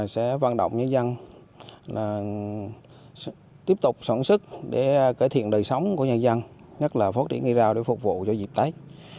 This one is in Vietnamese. sẽ vận động nhân dân tiếp tục sản xuất để cải thiện đời sống của nhân dân nhất là phát triển cây rau để phục vụ cho dịp tết